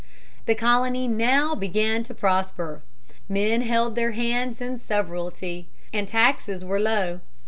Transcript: The colony now began to prosper; men held their lands in severalty, and taxes were low.